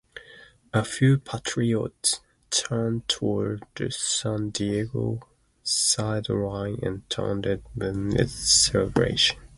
A few Patriots turned toward the San Diego sideline and taunted them with celebrations.